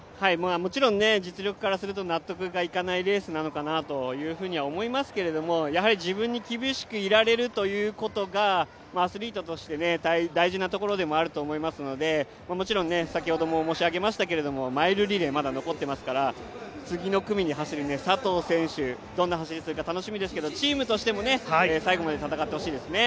もちろん実力からすると納得いかないレースなのかなと思いますけど自分に厳しくいられるということがアスリートとして大事なところでもあると思いますのでもちろん、マイルリレーがまだ残っていますから次の組に走る佐藤選手、どんな走りをするか楽しみですけど、チームとしても最後まで戦ってほしいですね。